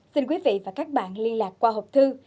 xin quý vị và các bạn liên lạc qua hộp thư